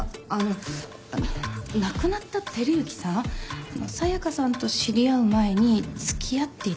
あの亡くなった輝幸さん紗耶香さんと知り合う前に付き合っていた方がいたとかね。